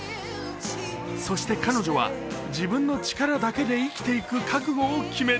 そして彼女は自分の力だけで生きていく覚悟を決める。